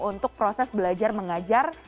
untuk proses belajar mengajar